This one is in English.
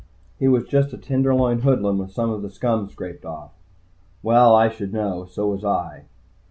He was just a Tenderloin hoodlum with some of the scum scraped off. Well, I should know. So was I.